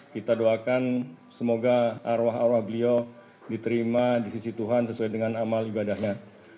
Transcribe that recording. kita doakan semoga arwah arwah beliau diterima di sisi tuhan sesuai dengan amal ibadahnya